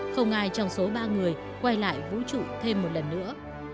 không ai trong số ba người quay lại vũ trụ thêm một lần nữa